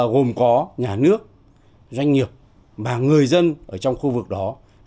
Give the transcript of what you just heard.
gồm có nhà nước doanh nghiệp và người dân ở trong khu vực đó